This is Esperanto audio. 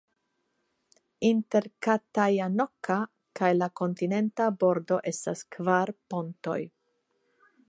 Inter Katajanokka kaj la kontinenta bordo estas kvar pontoj.